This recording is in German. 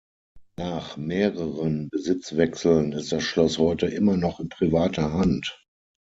Nach mehreren Besitzwechseln ist das Schloss heute immer noch in privater Hand.